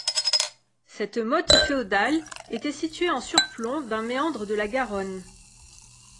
Cette motte féodale était située en surplomb d’un méandre de la Garonne.